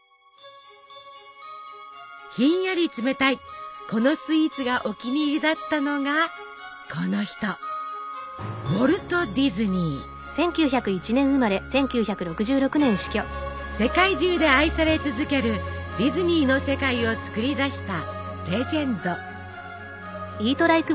ひんやり冷たいこのスイーツがお気に入りだったのがこの人世界中で愛され続けるディズニーの世界を作り出したレジェンド。